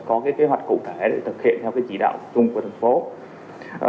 có kế hoạch cụ thể để thực hiện theo chỉ đạo chung của tp hcm